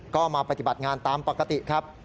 ก็มาปฏิบัติงานตามปกติครับ